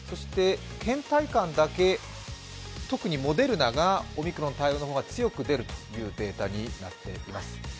けん怠感だけ特にモデルナがオミクロン対応の方が強く出るというデータになっています。